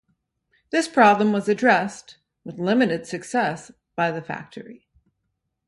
This problem was addressed - with limited success - by the factory.